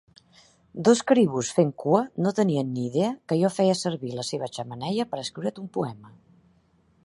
Dos caribús fent cua no tenien ni idea que jo feia servir la seva xemeneia per escriure't un poema.